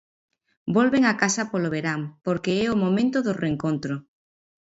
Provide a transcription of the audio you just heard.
Volven á casa polo verán, porque é o momento do reencontro.